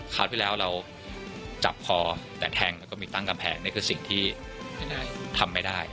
คราวที่แล้วเราจับคอแต่แทงแล้วก็มีตั้งกำแพงนี่คือสิ่งที่ทำไม่ได้